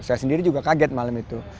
saya sendiri juga kaget malam itu